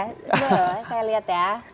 sebelah belah saya lihat ya